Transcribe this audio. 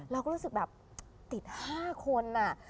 เราก็รู้สึกติดห้าคน